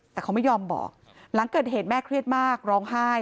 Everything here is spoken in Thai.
แต่เขาไม่ยอมบอกหลังเกิดเหตุแม่เครียดมากร้องไห้